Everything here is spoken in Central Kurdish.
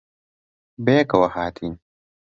بەیەکەوە ھاتین.